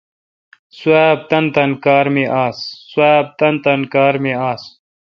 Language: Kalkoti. سواب تان تان کار می آس